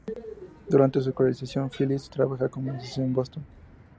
Durante su escolarización, Phillips trabajó como taxista en Boston.